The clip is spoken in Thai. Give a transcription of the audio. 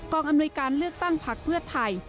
อำนวยการเลือกตั้งพักเพื่อไทย